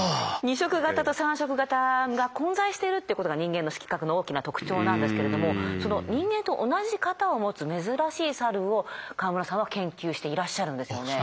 ２色型と３色型が混在してるっていうことが人間の色覚の大きな特徴なんですけれどもその人間と同じ型を持つ珍しいサルを河村さんは研究していらっしゃるんですよね。